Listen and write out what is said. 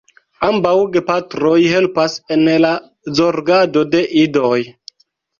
Ambaŭ gepatroj helpas en la zorgado de idoj.